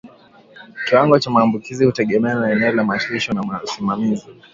Kiwango cha maambukizi hutegemeana na eneo la malisho na usimamizi